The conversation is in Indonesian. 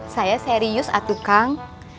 saya serius atu kang